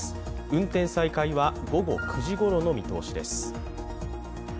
運転再開は午後９時ごろの見通しです。